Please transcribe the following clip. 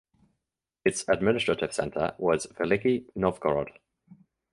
Its administrative centre was Veliky Novgorod.